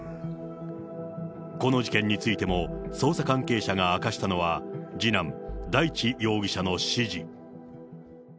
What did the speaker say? この事件についても捜査関係者が明かしたのは、次男、大地容疑者の指示。